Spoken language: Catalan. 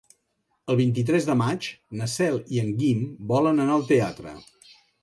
El vint-i-tres de maig na Cel i en Guim volen anar al teatre.